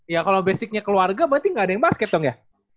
ya kalau basicnya keluarga berarti nggak ada yang basket dong ya